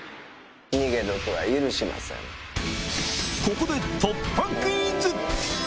ここで突破クイズ！